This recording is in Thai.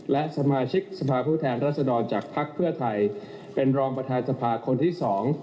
และสมาชิกสภาพผู้แทนรัศดรจากภักดิ์เพื่อไทยเป็นรองประธานสภาคนที่๒